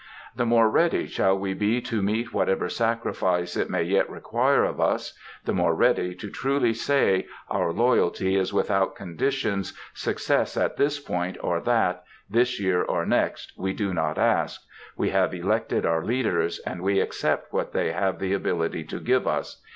The more ready shall we be to meet whatever sacrifice it may yet require of us; the more ready to truly say, "Our loyalty is without conditions; success at this point or that, this year or next, we do not ask; we have elected our leaders, and we accept what they have the ability to give us.